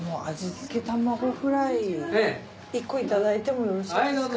付玉子フライ１個いただいてもよろしいですか？